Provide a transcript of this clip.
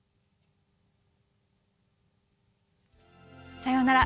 さようなら。